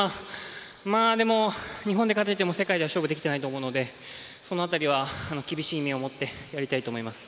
でも、日本で勝てても世界では勝負できてないと思うのでその辺りは厳しい目を持ってやりたいと思います。